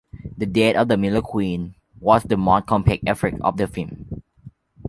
The death of The Mirror Queen was the most complex effect of the film.